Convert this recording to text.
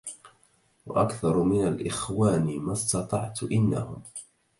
وأكثر من الإخوان ما اسطعت إنهم